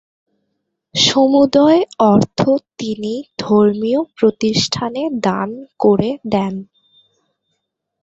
সমুদয় অর্থ তিনি ধর্মীয় প্রতিষ্ঠানে দান করে দেন।